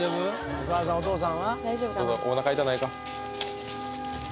お母さんお父さんは大丈夫かなおなか痛ないか？